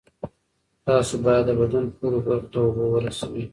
تاسو باید د بدن ټولو برخو ته اوبه ورسوي.